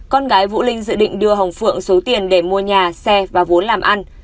con gái vũ linh dự định đưa hồng phượng số tiền để mua nhà xe và vốn làm ăn